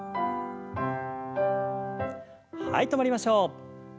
はい止まりましょう。